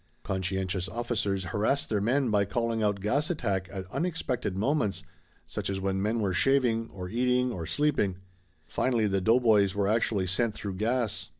Conscientious officers harassed their men by calling out "gas attack" at unexpected moments such as when men were shaving or eating or sleeping. Finally the doughboys were actually sent through gas.